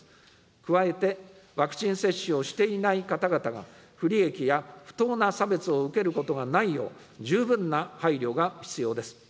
加えてワクチン接種をしていない方々が、不利益や不当な差別を受けることがないよう、十分な配慮が必要です。